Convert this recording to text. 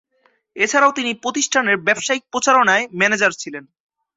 এছাড়াও তিনি প্রতিষ্ঠানের ব্যবসায়িক প্রচারণায় ম্যানেজার ছিলেন।